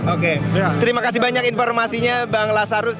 oke terima kasih banyak informasinya bang lasarus